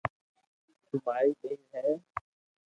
تو ماري ٻير ھي